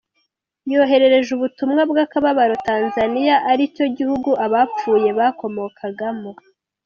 Yoherereje ubutumwa bw’akababaro Tanzania ari cyo gihugu abapfuye bakomokagamo.